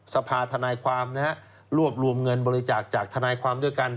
สภาธนายความนะฮะรวบรวมเงินบริจาคจากทนายความด้วยกัน